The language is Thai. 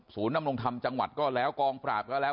นำลงธรรมจังหวัดก็แล้วกองปราบก็แล้ว